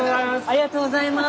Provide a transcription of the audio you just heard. ありがとうございます。